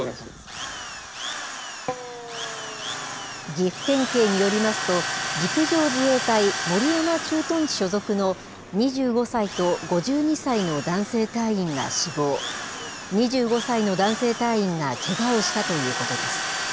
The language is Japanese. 岐阜県警によりますと、陸上自衛隊守山駐屯地所属の２５歳と５２歳の男性隊員が死亡、２５歳の男性隊員がけがをしたということです。